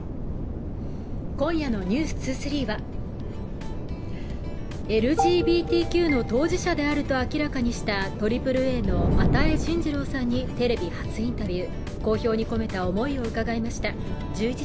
今夜の「ｎｅｗｓ２３」はＬＧＢＴＱの当事者であると明らかにしたＡＡＡの與真司郎さんにテレビ初インタビュー。